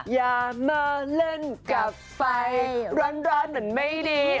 อย่ามาเล่นกับไฟร้อนมันไม่ดี